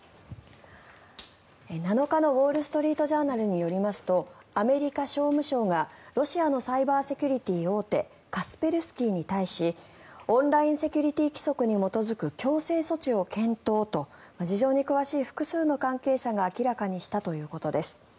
７日のウォール・ストリート・ジャーナルによりますとアメリカ商務省が、ロシアのサイバーセキュリティー大手カスペルスキーに対しオンラインセキュリティー規則に基づく強制措置を検討と事情に詳しい複数の関係者が明らかにしたということです。